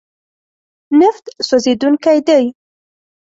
نفت سوځېدونکی دی.